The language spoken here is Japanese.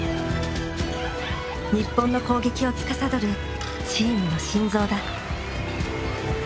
日本の攻撃をつかさどるチームの心臓だ。